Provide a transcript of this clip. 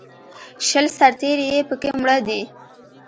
شل سرتېري یې په کې مړه دي